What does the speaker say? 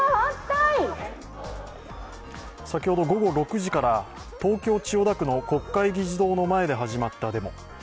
先ほど午後６時から東京・千代田区の国会議事堂の前で始まったデモ。